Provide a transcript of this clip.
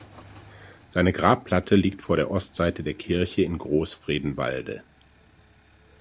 Seine Grabplatte liegt vor der Ostseite der Kirche in Groß Fredenwalde.